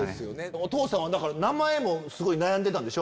お父さんは名前もすごい悩んでたんでしょ。